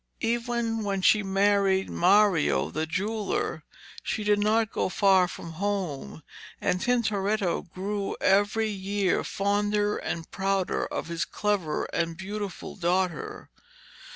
Even when she married Mario, the jeweller, she did not go far from home, and Tintoretto grew every year fonder and prouder of his clever and beautiful daughter.